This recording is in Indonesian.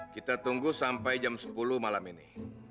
kita tunggu sampai jam sepuluh malam ini